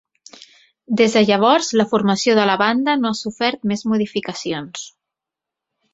Des de llavors la formació de la banda no ha sofert més modificacions.